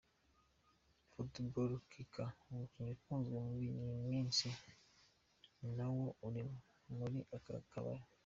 Football Kicker umukino ukunzwe muri iyi minsi nawo uri muri aka kabari.